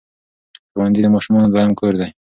ښوونځي د ماشومانو دویم کور دی.